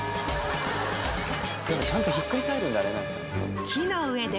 でもちゃんとひっくり返るんだね。